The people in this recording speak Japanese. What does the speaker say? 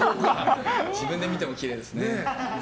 自分で見てもきれいですね。